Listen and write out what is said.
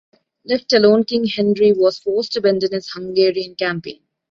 Left alone, King Henry was forced to abandon his Hungarian campaign.